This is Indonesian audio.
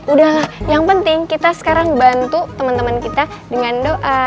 udahlah yang penting kita sekarang bantu teman teman kita dengan doa